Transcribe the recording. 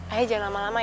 ayah jangan lama lama ya